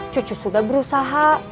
cucu sudah berusaha